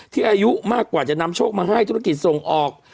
อายุมากกว่าจะนำโชคมาให้ธุรกิจส่งออก